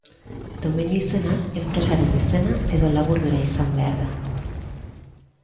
Domeinu izenak enpresaren izena edo laburdura izan behar da.